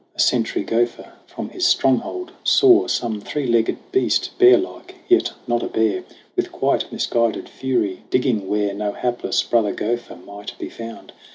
A sentry gopher from his stronghold saw Some three legged beast, bear like, yet not a bear, With quite misguided fury digging where No hapless brother gopher might be found.